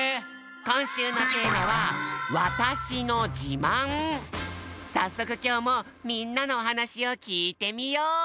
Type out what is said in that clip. こんしゅうのテーマはさっそくきょうもみんなのおはなしをきいてみよう！